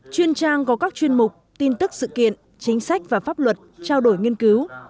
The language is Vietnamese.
chuyên trang có các chuyên mục tin tức sự kiện chính sách và pháp luật trao đổi nghiên cứu